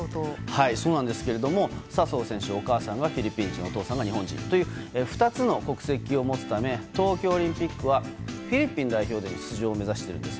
そうなんですけども笹生選手はお母さんがフィリピン人お父さんが日本人という２つの国籍を持つため東京オリンピックはフィリピン代表での出場を目指しているんです。